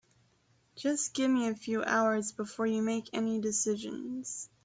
Just give me a few hours before you make any decisions.